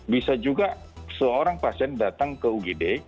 bisa juga seorang pasien datang ke ugd